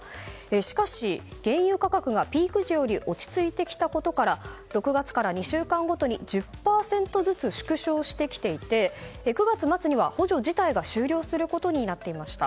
しかし、原油価格がピーク時より落ち着いてきたことから６月から２週間ごとに１０％ずつ縮小してきていて９月末には補助自体が終了することになっていました。